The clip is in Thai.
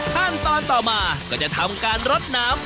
ขั้นตอนต่อมาก็จะทำการรดน้ำ